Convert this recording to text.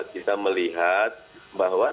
kita melihat bahwa